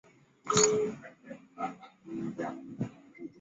长期在杨宝森剧团做副生。